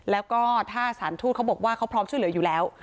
แล้วก็ถ้าสารทูตเขาบอกว่าเขาพร้อมช่วยเหลืออยู่แล้ว